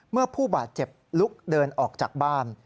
ผู้บาดเจ็บลุกเดินออกจากบ้าน